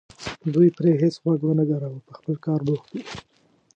دوی پرې هېڅ غوږ ونه ګراوه په خپل کار بوخت وو.